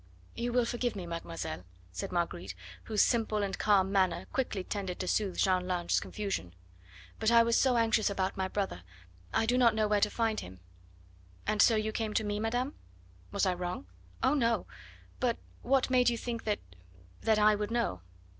"You will forgive me, mademoiselle," said Marguerite, whose simple and calm manner quickly tended to soothe Jeanne Lange's confusion; "but I was so anxious about my brother I do not know where to find him." "And so you came to me, madame?" "Was I wrong?" "Oh, no! But what made you think that that I would know?"